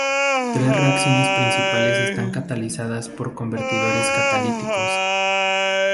Tres reacciones principales están catalizadas por convertidores catalíticos.